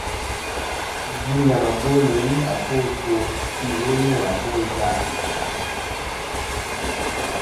Gvɨ̂ nyàmàbo nɨn ghɨ àfo ɨkwo fî ghɨ nô àfo isaʼ.